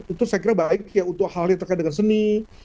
itu saya kira baik untuk hal yang terkait dengan seni